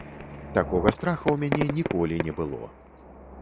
Такога страха ў мяне ніколі не было.